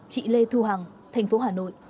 chị lê thu hằng thành phố hà nội